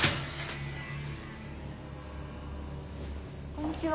こんにちは。